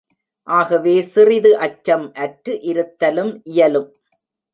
ஆகவே சிறிது அச்சம் அற்று இருத்தலும் இயலும்!